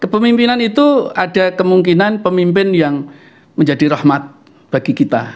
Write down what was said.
pemimpinan itu ada kemungkinan pemimpin yang menjadi rahmat bagi kita